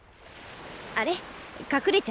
あれ？